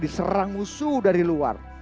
diserang musuh dari luar